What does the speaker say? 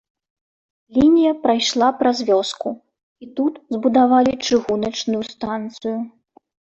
Лінія прайшла праз вёску, і тут збудавалі чыгуначную станцыю.